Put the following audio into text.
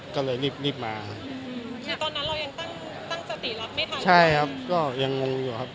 ก็เสียดายครับมีโอกาสที่ได้เจอพ่อครั้งสุดท้ายครับ